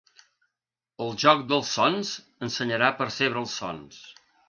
El “joc dels sons” ensenyarà a percebre els sons.